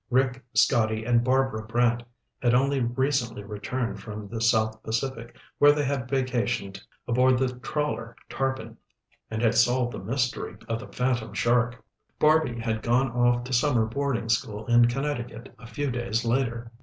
Rick, Scotty, and Barbara Brant had only recently returned from the South Pacific where they had vacationed aboard the trawler Tarpon and had solved the mystery of The Phantom Shark. Barby had gone off to summer boarding school in Connecticut a few days later.